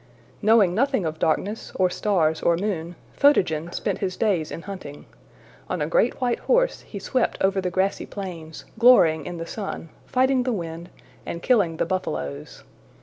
KNOWING nothing of darkness, or stars, or moon, Photogen spent his days in hunting. On a great white horse he swept over the grassy plains, glorying in the sun, fighting the wind, and killing the buffaloes.